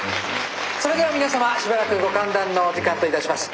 それでは皆様しばらくご歓談のお時間といたします。